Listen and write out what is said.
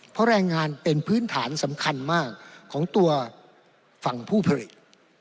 เพราะแรงงานเป็นพื้นฐานสำคัญมากของตัวฝั่งผู้ผลิต